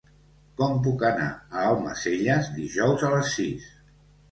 Com puc anar a Almacelles dijous a les sis?